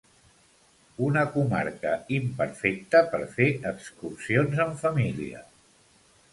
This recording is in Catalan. Una comarca imperfecte per fer excursions en família.